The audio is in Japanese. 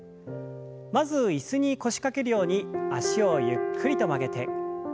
まず椅子に腰掛けるように脚をゆっくりと曲げて。